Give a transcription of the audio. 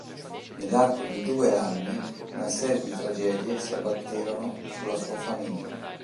Nell'arco di due anni una serie di tragedie si abbatterono sulla sua famiglia.